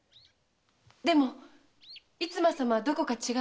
でも逸馬様はどこか違ってた。